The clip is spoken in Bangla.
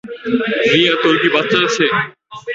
রিয়া, তোর কি বাচ্চা আছে?